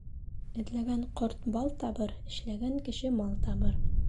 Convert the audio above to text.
Эҙләгән ҡорт бал табыр, эшләгән кеше мал табыр.